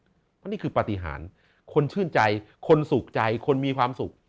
เพราะนี่คือปฏิหารคนชื่นใจคนสุขใจคนมีความสุข